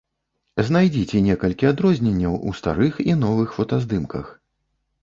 Знайдзіце некалькі адрозненняў у старых і новых фотаздымках.